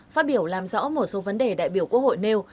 phát biểu làm rõ một số vấn đề đại biểu quốc hội nêu